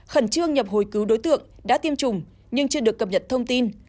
khẩn trương nhập hồi cứu đối tượng đã tiêm chủng nhưng chưa được cập nhật thông tin